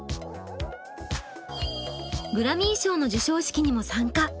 グラミー賞の授賞式にも参加。